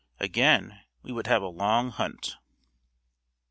Again we would have a long hunt.